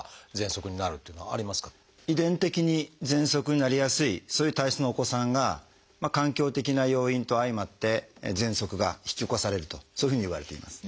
遺伝的にぜんそくになりやすいそういう体質のお子さんが環境的な要因と相まってぜんそくが引き起こされるとそういうふうにいわれています。